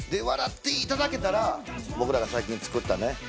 笑っていただけたら僕らが最近作ったね